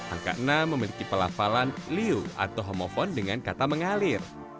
angka enam memiliki pelafalan liu atau homofon dengan kata mengalir